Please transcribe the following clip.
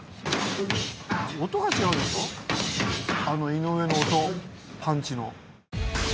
あの井上の音パンチの。